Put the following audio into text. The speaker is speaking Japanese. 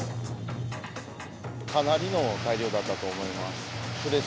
かなりの大漁だったと思います。